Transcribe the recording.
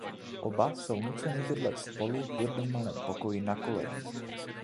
Oba jsou nuceni bydlet spolu v jednom malém pokoji na kolejích.